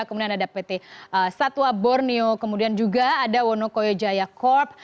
kemudian ada pt satwa borneo kemudian juga ada wonokoyo jaya corp